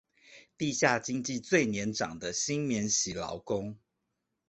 地下經濟最年長的新免洗勞工